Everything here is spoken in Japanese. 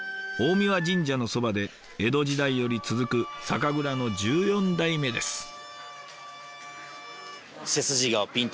大神神社のそばで江戸時代より続く酒蔵の１４代目です。